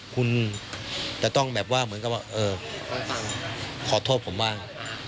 คุณจะต้องแบบว่าเหมือนกับว่าขอโทษผมบ้าง